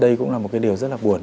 đây cũng là một điều rất là buồn